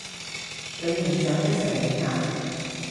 你唔想一齊影啊？